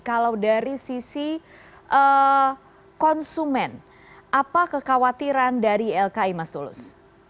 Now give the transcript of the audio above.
kalau dari sisi konsumen apa kekhawatiran dari ylki mas tulus